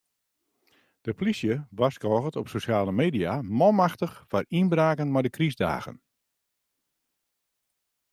De plysje warskôget op sosjale media manmachtich foar ynbraken mei de krystdagen.